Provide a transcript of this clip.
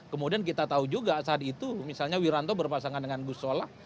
kemudian kita tahu juga saat itu misalnya wiranto berpasangan dengan gus solah